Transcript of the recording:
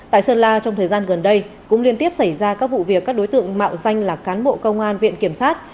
tại sơn la trong thời gian gần đây cũng liên tiếp xảy ra các vụ việc các đối tượng mạo danh là cán bộ công an viện kiểm sát